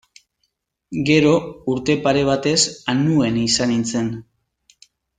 Gero, urte pare batez Anuen izan nintzen.